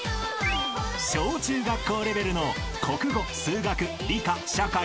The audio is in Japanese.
［小中学校レベルの国語数学理科社会